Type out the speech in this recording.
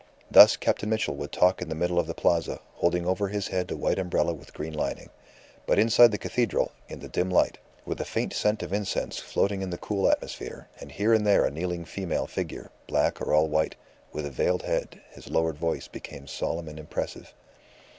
Thus Captain Mitchell would talk in the middle of the Plaza, holding over his head a white umbrella with a green lining; but inside the cathedral, in the dim light, with a faint scent of incense floating in the cool atmosphere, and here and there a kneeling female figure, black or all white, with a veiled head, his lowered voice became solemn and impressive.